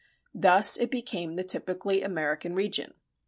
Thus it became the typically American region.